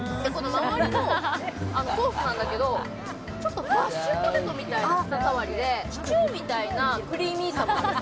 周りのソースなんだけど、マッシュポテトみたいな感じでシチューみたいなクリーミーさ。